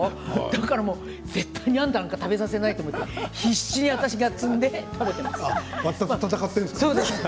だから絶対、あんたになんかに食べさせないって必死で摘んで食べています。